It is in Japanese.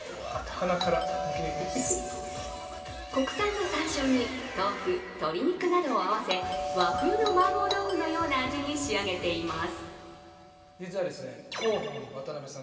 国産のさんしょうに、豆腐、鶏肉などを合わせ、和風の麻婆豆腐のような味に仕上げています。